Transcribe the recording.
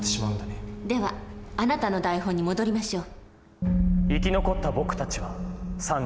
ではあなたの台本に戻りましょう。